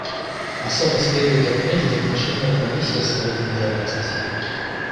Особо следует отметить отношения Комиссии с Советом Безопасности.